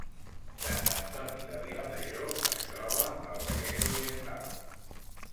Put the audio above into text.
Sant Antoni de Vilamajor es troba al Vallès Oriental